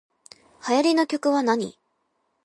最近流行りの曲はなに